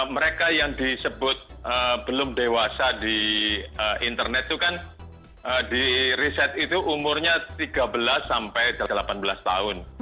mereka yang disebut belum dewasa di internet itu kan di riset itu umurnya tiga belas sampai delapan belas tahun